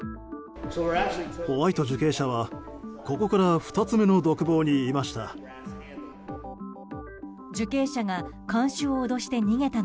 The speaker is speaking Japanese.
ホワイト受刑者はここから２つ目の独房にいました。